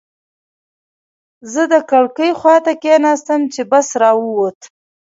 زه د کړکۍ خواته کېناستم چې بس را ووت.